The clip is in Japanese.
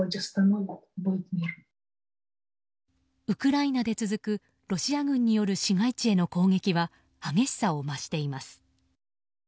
ウクライナで続くロシア軍による市街地への攻撃は激しさを増しています。